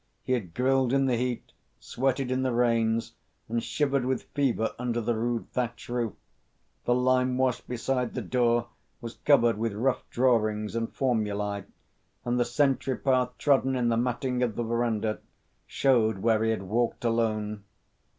He had grilled in the heat, sweated in the rains, and shivered with fever under the rude thatch roof; the lime wash beside the door was covered with rough drawings and formulae, and the sentry path trodden in the matting of the verandah showed where he had walked alone.